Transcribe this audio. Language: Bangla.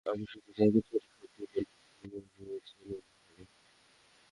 আমি শুধু তাকে ছয়টি শব্দই বললাম, তুমি ম্যারাডোনার চেয়ে লম্বা হবে।